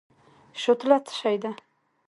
شوتله څه شی ده؟